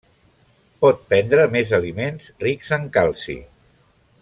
Pot prendre més aliments rics en calci.